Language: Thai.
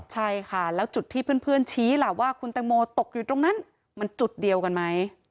ใช่ค่ะแล้วจุดที่เพื่อนชี้ล่ะว่าคุณแตงโมตกอยู่ตรงนั้นมันจุดเดียวกันไหม